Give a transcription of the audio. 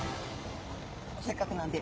せっかくなんで。